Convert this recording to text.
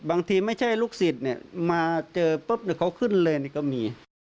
บางทีไม่ใช่ลูกศิษย์เนี่ยมาเจอปุ๊บเขาขึ้นเลยก็มี